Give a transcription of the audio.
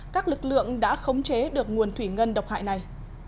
các lực lượng đã khống chế được nguồn thủy ngân độc hại này